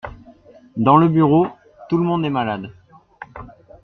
Dans le bureau, tout le monde est malade.